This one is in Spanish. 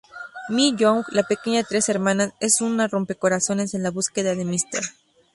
Mi-young, la pequeña de tres hermanas, es una rompecorazones a la búsqueda de Mr.